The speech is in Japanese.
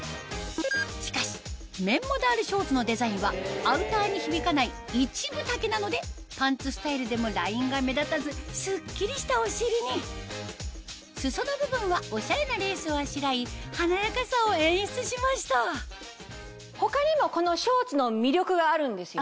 しかし綿モダールショーツのデザインはアウターに響かない一分丈なのでパンツスタイルでもラインが目立たずスッキリしたお尻に裾の部分はオシャレなレースをあしらい華やかさを演出しました他にもこのショーツの魅力があるんですよね？